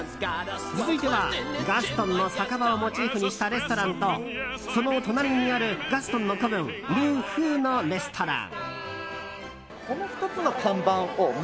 続いてはガストンの酒場をモチーフにしたレストランとその隣にあるガストンの子分ル・フウのレストラン。